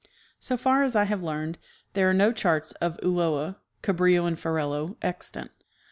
So far as I have learned, there are no charts of Ulloa, Cabrillo and Ferrelo extant.